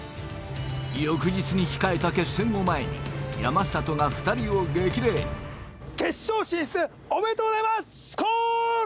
翌日に控えた決戦を前に山里が２人を激励決勝進出おめでとうございますＳｋｌ！